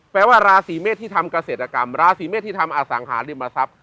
แปรว่าราศีเมศที่ทำเกษตรกรรมอสังหาฤริมาศัพท์